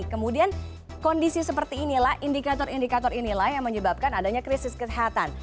kemudian kondisi seperti inilah indikator indikator inilah yang menyebabkan adanya krisis kesehatan